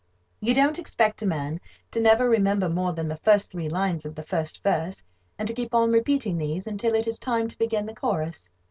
You don't expect a man to never remember more than the first three lines of the first verse, and to keep on repeating these until it is time to begin the chorus.